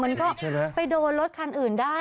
มันก็ไปโดนรถคันอื่นได้